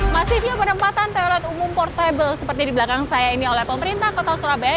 masifnya penempatan toilet umum portable seperti di belakang saya ini oleh pemerintah kota surabaya